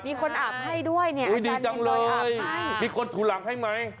มีคนอาบให้ด้วยเนี่ยอุ้ยดีจังเลยมีคนถูหลังให้ไหม